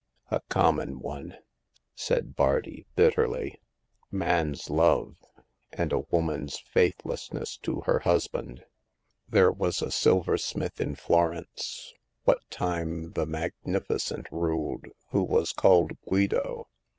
A common one,'* said Bardi, bitterly —" man's love and a woman's faithlessness to her husband. There was a silversmith in Florence, what time the Magnificent^ ruled, who was called Guido.